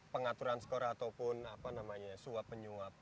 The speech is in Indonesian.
pengaturan skor ataupun suap penyuap